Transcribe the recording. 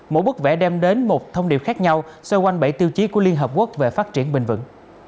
mỗi bức vẽ đem đến một thông điệp khác nhau xoay quanh bảy tiêu chí của liên hợp quốc về phát triển bình vững